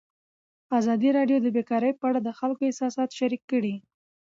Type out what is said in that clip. ازادي راډیو د بیکاري په اړه د خلکو احساسات شریک کړي.